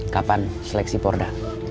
kapan seleksi porda